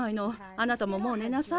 あなたももうねなさい。